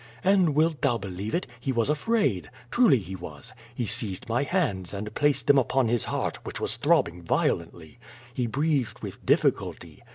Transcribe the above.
And wilt thou believe it, he was afraid. Truly he was. He seized my hands and placed them upon his heart, which was throbbing violently. He breathed with difficulty.